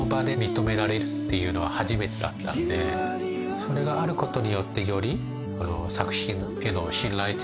それがあることによって。